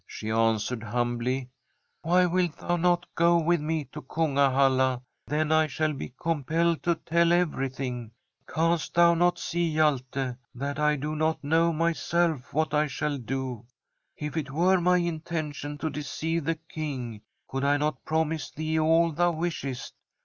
She answered humbly :* Why wilt thou not go with me to Kunga halla? Then I shall be compelled to tell everything. Canst thou not see, Hjalte, that I do not know myself what I shall do? If it were my intention to deceive the King, could I not promise thee all thou wishest